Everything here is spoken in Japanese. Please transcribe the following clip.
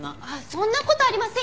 そんな事ありませんよ！